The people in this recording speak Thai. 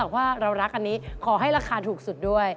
ว่าเรารักอันนี้ขอให้ราคาถูกสุดด้วย